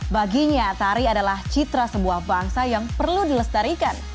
baginya tari adalah citra sebuah bangsa yang perlu dilestarikan